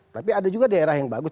tapi ada juga daerah yang bagus